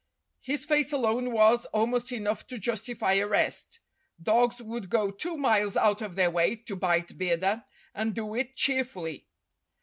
His face alone was, almost enough to justify arrest. Dogs would go two miles out of their way to bite Bidder, and do it cheerfully.